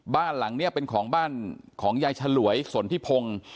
บ้านหลังนี้เป็นของบ้านของยายฉลวยสนทิพงศ์